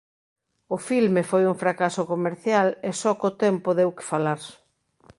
O filme foi un fracaso comercial e só co tempo deu que falar.